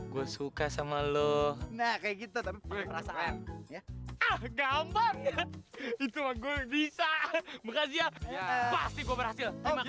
gue suka sama lo nah kayak gitu tapi perasaan ya gambarnya itu gue bisa makasih ya pasti gue berhasil